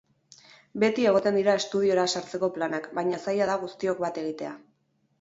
Beti egoten dira estudiora sartzeko planak, baina zaila da guztiok bat egitea.